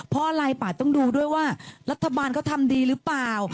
เพราะอะไรป่าต้องดูด้วยว่ารัฐบาลเขาทำดีหรือเปล่า